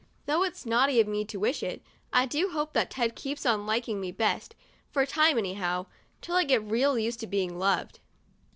Though it's naughty of me to wish it, I do hope that Ted keeps on liking me best, for a time anyhow, till I get real used to being loved.